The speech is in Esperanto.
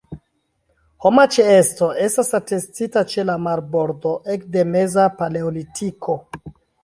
Homa ĉeesto estas atestita ĉe la marbordo ekde meza paleolitiko.